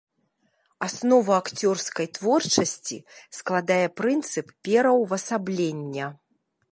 Аснову акцёрскай творчасці складае прынцып пераўвасаблення.